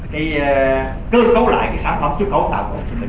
thì cơ cấu lại cái sản phẩm xuất khẩu tạo ra